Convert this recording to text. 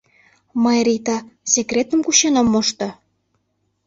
Мый, Рита, секретым кучен ом мошто?